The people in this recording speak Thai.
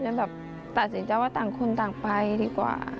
แบบตัดสินใจว่าต่างคนต่างไปดีกว่า